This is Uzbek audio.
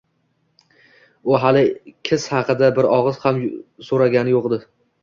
U xali kiz haqida bir og`iz ham suragini yo`q edi